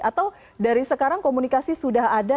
atau dari sekarang komunikasi sudah ada